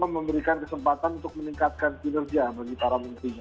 memberikan kesempatan untuk meningkatkan kinerja bagi para menterinya